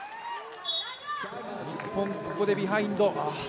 日本、ここでビハインド。